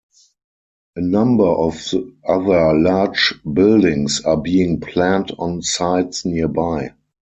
A number of other large buildings are being planned on sites nearby.